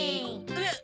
えっ！